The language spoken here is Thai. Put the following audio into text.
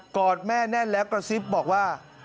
อดแม่แน่นแล้วกระซิบบอกว่า